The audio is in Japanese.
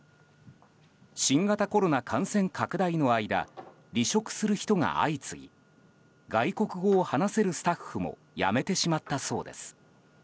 新型コロナ感染拡大の間離職する人が相次ぎ外国語を話せるスタッフも辞めてしまったそうです。